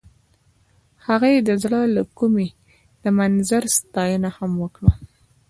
هغې د زړه له کومې د منظر ستاینه هم وکړه.